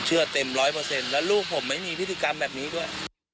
เต็มร้อยเปอร์เซ็นต์แล้วลูกผมไม่มีพฤติกรรมแบบนี้ด้วย